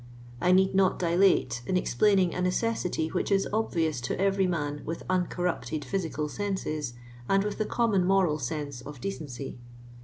I need not dilate, in explaining a necessity which is obvious to every man with uncorrupted physical senses, and with the common moral sense of decency.